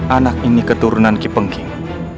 anak ini keturunan kipengking